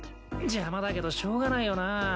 邪魔だけどしょうがないよな